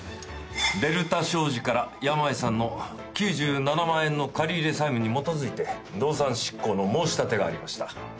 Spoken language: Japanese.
デルタ商事から山家さんの９７万円の借入債務に基づいて動産執行の申し立てがありました。